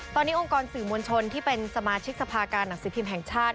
ตอนนี้องค์กรสื่อมวลชนที่เป็นสมาชิกสภาการหนังสือพิมพ์แห่งชาติ